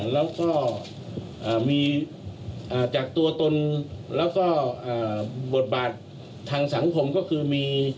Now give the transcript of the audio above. แล้วก็มีจากตัวตนแล้วก็บทบาททางสังคมก็คือมี